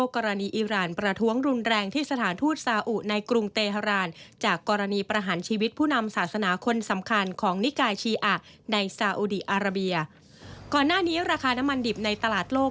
ก่อนหน้านี้ราคาน้ำมันดิบในตลาดโลก